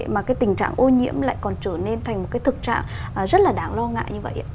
mà cái tình trạng ô nhiễm lại còn trở nên thành một cái thực trạng rất là đáng lo ngại như vậy